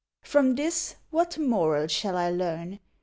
From this what moral shall I learn?